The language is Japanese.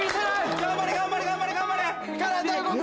頑張れ頑張れ頑張れ頑張れ体動け！